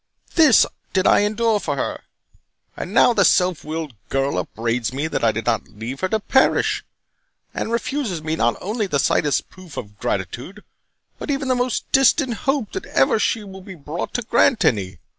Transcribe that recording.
This did I endure for her; and now the self willed girl upbraids me that I did not leave her to perish, and refuses me not only the slightest proof of gratitude, but even the most distant hope that ever she will be brought to grant any.